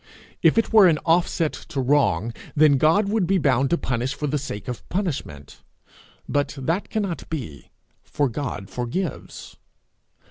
If it were an offset to wrong, then God would be bound to punish for the sake of the punishment; but he cannot be, for he forgives.